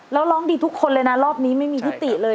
แล้วร้องดีทุกคนเลยนะรอบนี้ไม่มีทิติเลย